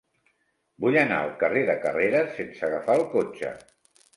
Vull anar al carrer de Carreras sense agafar el cotxe.